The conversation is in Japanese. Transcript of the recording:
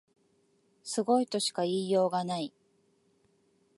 すごいとしか言いようがない